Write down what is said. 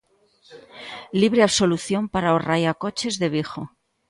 Libre absolución para o raiacoches de Vigo.